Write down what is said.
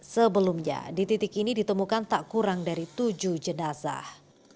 sebelumnya di titik ini ditemukan tak kurang dari tujuh jenazah